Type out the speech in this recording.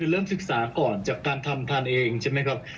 เริ่มศึกษาก่อนจากการทำทานเองใช่ไหมครับ